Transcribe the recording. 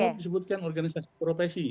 ya umum disebutkan organisasi profesi